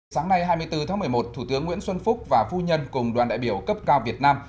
sáng nay hai mươi bốn tháng một mươi một thủ tướng nguyễn xuân phúc và phu nhân cùng đoàn đại biểu cấp cao việt nam